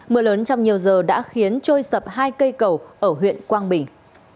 mưa lớn trong nhiều giờ đã khiến trôi sập hai cây cầu ở huyện quang bình